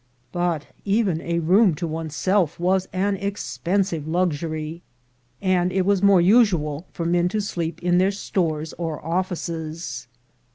But even a room to one self was an expensive luxury, and it was more usual for men to sleep in their stores or offices.